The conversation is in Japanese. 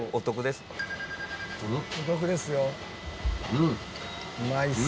うん。